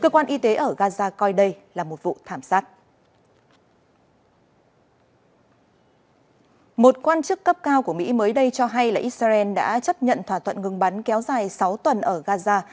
một quan chức cấp cao của mỹ mới đây cho hay là israel đã chấp nhận thỏa thuận ngừng bắn kéo dài sáu tuần ở gaza